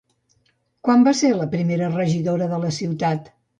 Quan va ser la primera regidora de la ciutat?